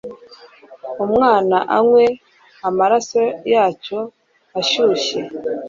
umwana anywe amaraso yacyo ashyushye